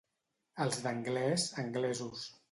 Els d'Anglès, anglesos.